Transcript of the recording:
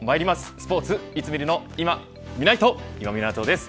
スポーツいつ見るのいまみないと、今湊です。